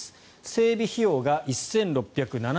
整備費用が１６７０億円。